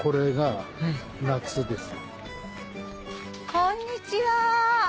こんにちは。